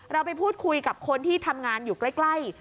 เราไปพูดคุยกับคนที่ทำงานอยู่ใกล้